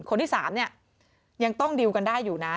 คนที่๓เนี่ยยังต้องดิวกันได้อยู่นะ